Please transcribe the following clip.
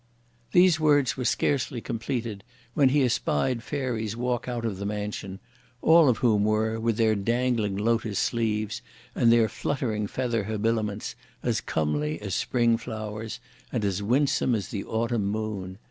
These words were scarcely completed, when he espied fairies walk out of the mansion, all of whom were, with their dangling lotus sleeves, and their fluttering feather habiliments, as comely as spring flowers, and as winsome as the autumn moon.